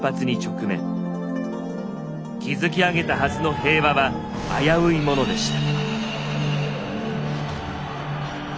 築き上げたはずの平和は危ういものでした。